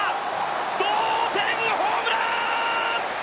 同点ホームラン！！